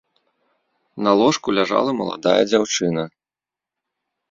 На ложку ляжала маладая дзяўчына.